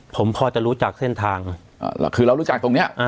ผมพอจะรู้จักเส้นทางคือเรารู้จักตรงนี้